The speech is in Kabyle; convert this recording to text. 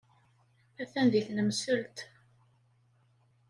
Atan deg tnemselt.